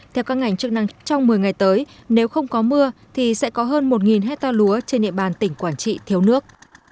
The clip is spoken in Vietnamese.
theo các ngành chức năng trong một mươi ngày tới nếu không có mưa thì sẽ có hơn một hecta lúa trên địa bàn tỉnh quảng trị thiếu nước